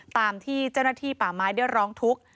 ตามที่เจ้าหน้าที่ป่าไม้ได้ร้องทุกข์